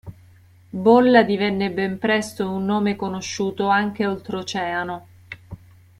Bolla divenne ben presto un nome conosciuto anche oltreoceano.